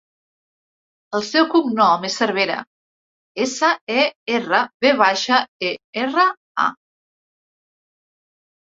El seu cognom és Servera: essa, e, erra, ve baixa, e, erra, a.